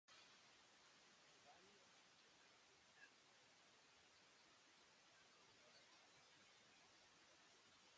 The valley and region have been inhabited by indigenous groups for thousands of years.